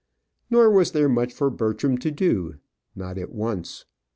Nor was there much for Bertram to do not at once.